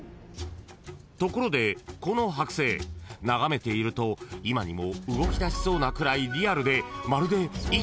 ［ところでこの剥製眺めていると今にも動きだしそうなくらいリアルでまるで］